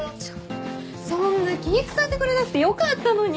そんな気使ってくれなくてよかったのに。